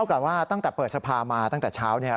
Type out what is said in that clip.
แล้วอาจจะเปิดสภามาตั้งแต่เช้าเนี่ย